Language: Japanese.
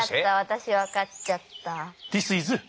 私分かっちゃった。